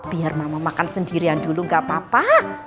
biar mama makan sendirian dulu gak apa apa